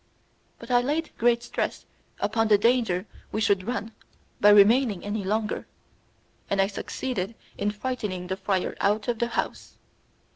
But I laid great stress upon the danger we should run by remaining any longer, and I succeeded in frightening the friar out of the house.